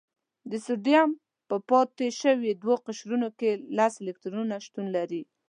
د سوډیم په پاتې شوي دوه قشرونو کې لس الکترونونه شتون لري.